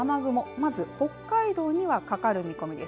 まず北海道にはかかる見込みです。